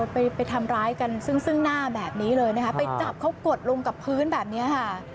ไปทำร้ายกันซึ่งซึ่งหน้าแบบนี้เลยนะคะไปจับเขากดลงกับพื้นแบบนี้ค่ะ